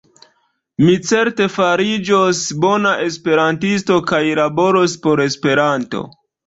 Mi certe fariĝos bona esperantisto kaj laboros por Esperanto.